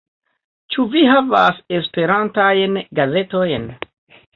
Ĉu vi havas esperantajn gazetojn?